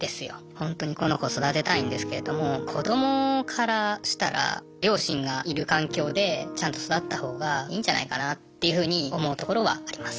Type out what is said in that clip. ほんとにこの子育てたいんですけれども子どもからしたら両親がいる環境でちゃんと育ったほうがいいんじゃないかなっていうふうに思うところはあります。